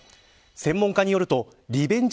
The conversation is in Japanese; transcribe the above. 専門家によると、リベンジ